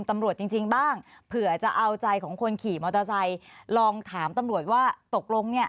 ตำรวจจริงจริงบ้างเผื่อจะเอาใจของคนขี่มอเตอร์ไซค์ลองถามตำรวจว่าตกลงเนี่ย